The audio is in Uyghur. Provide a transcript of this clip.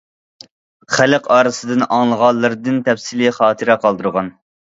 خەلق ئارىسىدىن ئاڭلىغانلىرىدىن تەپسىلىي خاتىرە قالدۇرغان.